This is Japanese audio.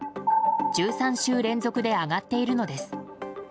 １３週連続で上がっているのです。